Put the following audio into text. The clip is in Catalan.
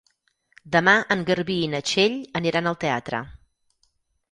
Demà en Garbí i na Txell aniran al teatre.